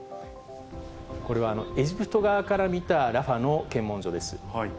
これはエジプト側から見たラファの検問所です。